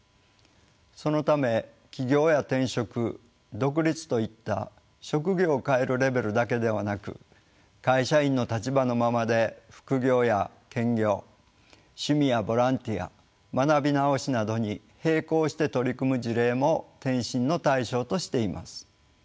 そのため起業や転職独立といった職業を変えるレベルだけではなく会社員の立場のままで副業や兼業趣味やボランティア学び直しなどに並行して取り組む事例も転身の対象としています。